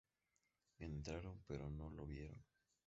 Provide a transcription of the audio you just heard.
Entraron pero no lo vieron.